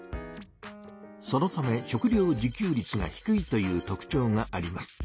そのため食料自給率が低いという特ちょうがあります。